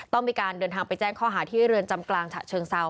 ต้องมีการเดินทางไปแจ้งข้อหาที่เรือนจำกลางฉะเชิงเซา